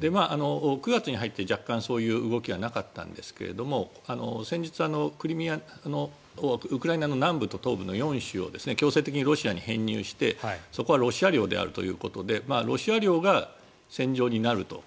９月に入って若干そういう動きはなかったんですが先日、ウクライナの南部と東部の４州を強制的にロシアに編入してそこはロシア領であるということでロシア領が戦場になると。